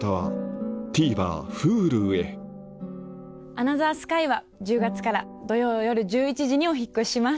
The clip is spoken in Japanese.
『アナザースカイ』は１０月から土曜夜１１時にお引っ越しします。